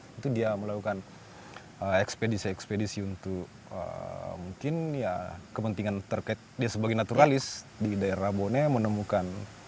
itu dia melakukan ekspedisi ekspedisi untuk mungkin ya kepentingan terkait dia sebagai naturalis di daerah bone menemukan